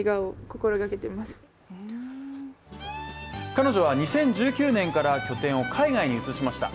彼女は２０１９年から拠点を海外に移しました。